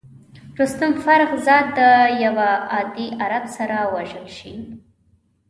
رستم فرخ زاد د یوه عادي عرب سره وژل شي.